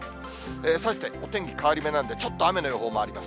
さて、お天気変わり目なんで、ちょっと雨の予報もあります。